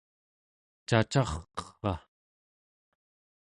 cacarqerra